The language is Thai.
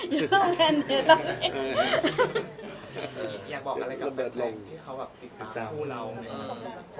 อยู่เพิ่มแม่นเนธอลเล็ก